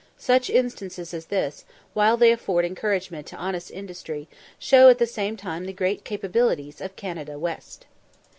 Such instances as this, while they afford encouragement to honest industry, show at the same time the great capabilities of Canada West.